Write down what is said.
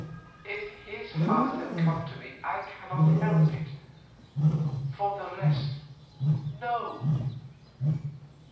If his heart has come to me I cannot help it—for the rest, no.